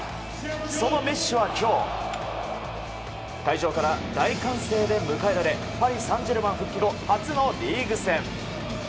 そのメッシは今日会場から大歓声で迎えられパリ・サンジェルマン復帰後初のリーグ戦。